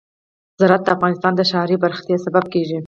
زراعت د افغانستان د ښاري پراختیا سبب کېږي.